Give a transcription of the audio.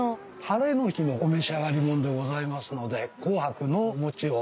晴れの日のお召し上がりものでございますので紅白のお餅を。